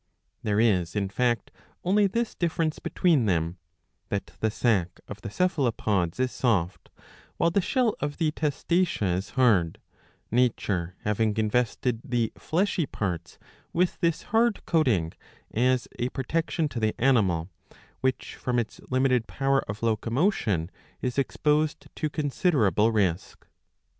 There is, in fact, only this difference between them, that the sac of the Cephalopods is soft while the shell of the Testacea is hard, nature having invested the fleshy parts with this hard coating as a protection to the animal, which from its limited power of locomotion is exposed to considerable risk.